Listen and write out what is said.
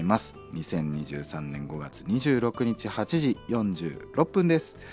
２０２３年５月２６日８時４６分です。